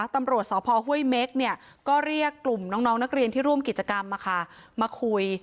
ตำรวจสพห้วยเม็กก็เรียกกลุ่มน้องนักเรียนที่ร่วมกิจกรรมมาคุย